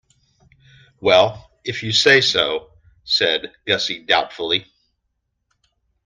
"Well, if you say so," said Gussie doubtfully.